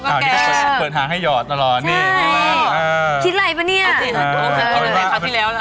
อันนี้ก็เปิดหางให้หยอดตลอดใช่คิดอะไรปะเนี้ยเอาสิพักที่แล้ว